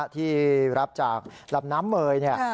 ที่รับจากรับน้ำเมยเนี่ยครับ